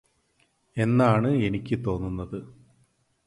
എന്നാണ് എനിക്ക് തോന്നുന്നത്